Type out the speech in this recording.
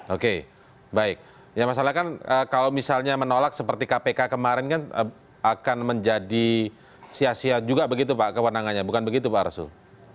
oke baik ya masalahnya kan kalau misalnya menolak seperti kpk kemarin kan akan menjadi sia sia juga begitu pak kewenangannya bukan begitu pak arsul